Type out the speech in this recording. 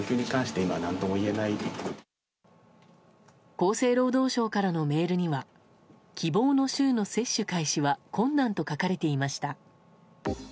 厚生労働省からのメールには希望の週の接種開始は困難と書かれていました。